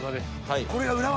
これが裏技。